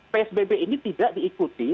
psbb ini tidak diikuti